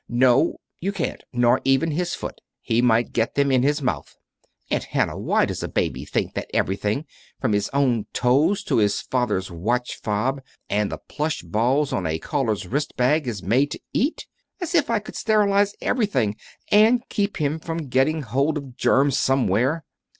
"No, you can't nor even his foot. He might get them in his mouth. Aunt Hannah, why does a baby think that everything, from his own toes to his father's watch fob and the plush balls on a caller's wrist bag, is made to eat? As if I could sterilize everything, and keep him from getting hold of germs somewhere!"